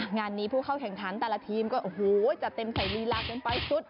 งานนี้ผู้เข้าแข่งขันแต่ละทีมก็โอ้โหจัดเต็มใส่ลีลากันไปสุด